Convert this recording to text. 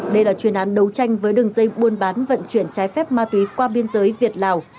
đây là chuyên án đấu tranh với đường dây buôn bán vận chuyển trái phép ma túy qua biên giới việt lào